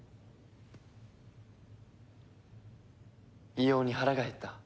異様に腹が減った。